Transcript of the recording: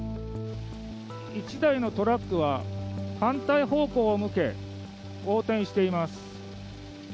１台のトラックは反対方向を向け横転しています。